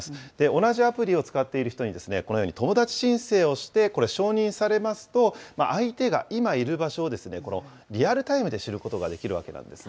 同じアプリを使っている人に、このように、友だち申請をして、これ、承認されますと、相手が今いる場所を、リアルタイムで知ることができるわけなんですね。